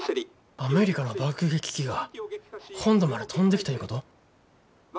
アメリカの爆撃機が本土まで飛んできたいうこと？